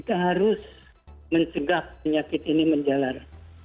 kita harus mencegah penyakit ini menjalar